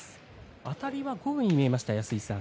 あたりは五分に見えました安井さん。